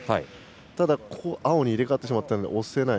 ただ、青に入れ替わってしまって押せない。